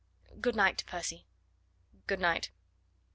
Good night, Percy." "Good night."